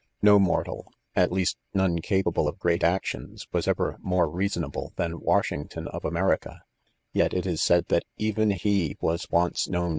No mortal (at least none capable of great actions,) was evermore cc reasonable" than Washington, of Ame rica ; yet, it is said that even he was once kaowa.